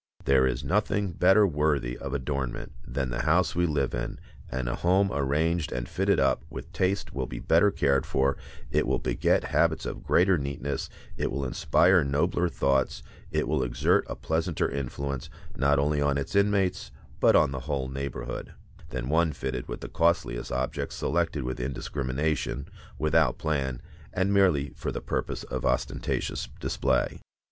There is nothing better worthy of adornment than the house we live in; and a home arranged and fitted up with taste will be better cared for, it will beget habits of greater neatness, it will inspire nobler thoughts, it will exert a pleasanter influence, not only on its inmates, but on the whole neighborhood, than one fitted with the costliest objects selected with indiscrimination, without plan, and merely for the purpose of ostentatious display.